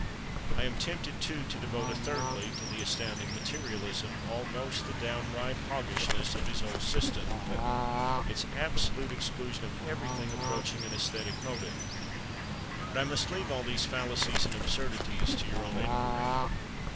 I am tempted, too, to devote a thirdly to the astounding materialism, almost the downright hoggishness, of his whole system—its absolute exclusion of everything approaching an æsthetic motive. But I must leave all these fallacies and absurdities to your own inquiry.